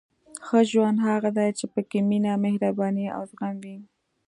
• ښه ژوند هغه دی چې پکې مینه، مهرباني او زغم وي.